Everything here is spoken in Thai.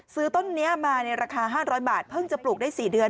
ซื้อต้นนี้มาในราคา๕๐๐บาทเพิ่งจะปลูกได้๔เดือน